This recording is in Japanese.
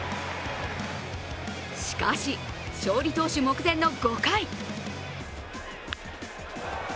しかし、勝利投手目前の５回。